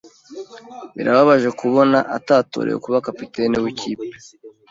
Birababaje kubona atatorewe kuba kapiteni wikipe.